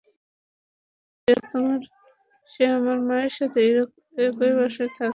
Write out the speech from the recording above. ওহ, সে আমার মেয়ের সাথে একই বাসায় থাকছে, ছেলেটার নাম পিট!